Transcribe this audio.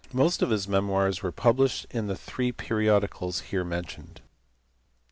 Most of his memoirs were published in the three periodicals here mentioned.